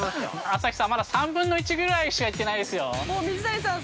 ◆朝日さん、まだ３分の１ぐらいしか、行ってないですよー。